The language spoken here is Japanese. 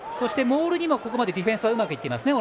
モールにもここまでディフェンスはうまくいっていますね。